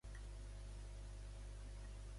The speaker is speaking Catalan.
El desemmotllem i deixem refredat sota d'una reixeta.